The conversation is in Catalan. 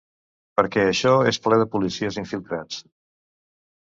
Perquè això és ple de policies infiltrats.